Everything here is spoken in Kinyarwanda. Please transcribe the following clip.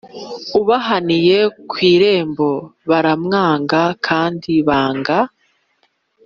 Ubahaniye ku irembo baramwanga kandi banga